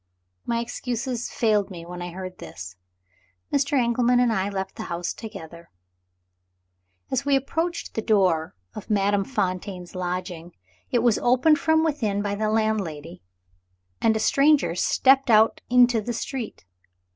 My excuses failed me when I heard this. Mr. Engelman and I left the house together. As we approached the door of Madame Fontaine's lodgings, it was opened from within by the landlady, and a stranger stepped out into the street.